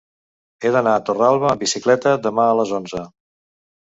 He d'anar a Torralba amb bicicleta demà a les onze.